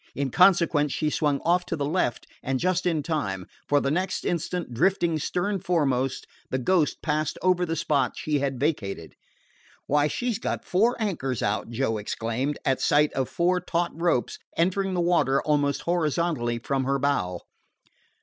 In consequence she swung off to the left, and just in time; for the next instant, drifting stern foremost, the Ghost passed over the spot she had vacated. "Why, she 's got four anchors out!" Joe exclaimed, at sight of four taut ropes entering the water almost horizontally from her bow.